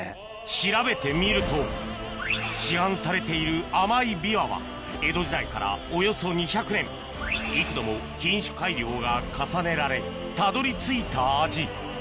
調べてみると市販されている甘いビワは江戸時代からおよそ２００年幾度も品種改良が重ねられたどり着いた味